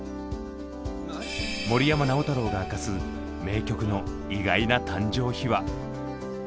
森山直太朗が明かす名曲の意外な誕生秘話。